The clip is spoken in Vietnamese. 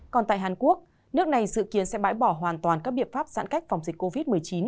còn tại hàn quốc nước này dự kiến sẽ bãi bỏ hoàn toàn các biện pháp giãn cách phòng dịch covid một mươi chín